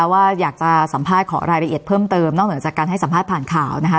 ว่าอยากจะสัมภาษณ์ขอรายละเอียดเพิ่มเติมนอกเหนือจากการให้สัมภาษณ์ผ่านข่าวนะคะ